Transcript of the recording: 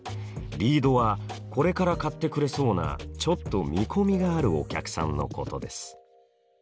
リードはこれから買ってくれそうなちょっと見込みがあるお客さんのことです。